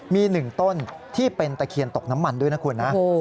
มี๑ต้นที่เป็นตะเคียนตกน้ำมันด้วยนะคุณนะ